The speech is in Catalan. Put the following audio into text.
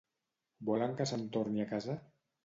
Volen que se'n torni a casa?